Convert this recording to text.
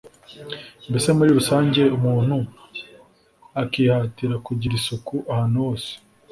Mbese muri rusange umuntu akihatira kugira isuku ahantu hose